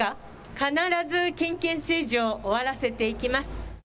必ず金権政治を終わらせていきます。